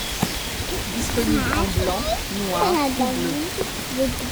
Disponible en blanc, noir ou bleu.